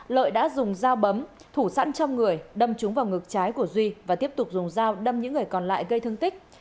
lợi đã dùng dao bấm thủ sẵn trong người đâm trúng vào ngực trái của duy và tiếp tục dùng dao đâm những người còn lại gây thương tích